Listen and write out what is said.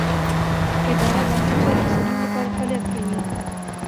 اداره د عامه چارو د سمون لپاره فعالیت کوي.